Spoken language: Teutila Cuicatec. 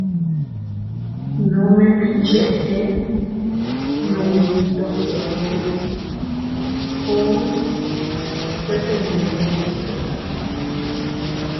Nome ne cheʼe nunni ndog dutti, uun tete iynninnu stika.